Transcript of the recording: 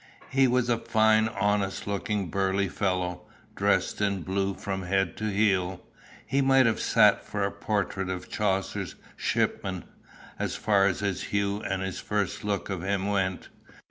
He was a fine honest looking burly fellow, dressed in blue from head to heel. He might have sat for a portrait of Chaucer's shipman, as far as his hue and the first look of him went.